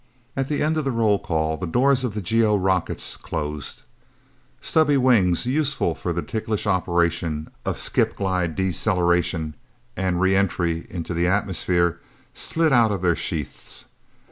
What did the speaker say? At the end of the roll call, the doors of the GO rockets closed. Stubby wings, useful for the ticklish operation of skip glide deceleration and re entry into the atmosphere, slid out of their sheaths.